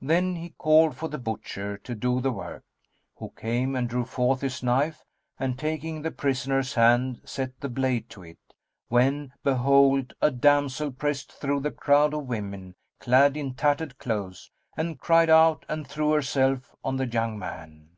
Then he called for the butcher to do the work, who came and drew forth his knife and taking the prisoner's hand set the blade to it, when, behold, a damsel pressed through the crowd of women, clad in tattered clothes,[FN#222] and cried out and threw herself on the young man.